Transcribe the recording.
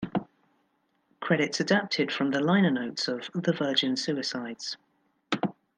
Credits adapted from the liner notes of "The Virgin Suicides".